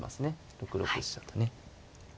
６六飛車とね。